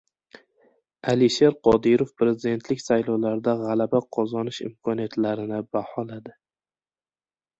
Alisher Qodirov prezidentlik saylovlarida g‘alaba qozonish imkoniyatlarini baholadi